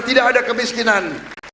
tidak ada kemiskinan